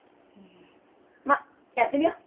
まっやってみよう。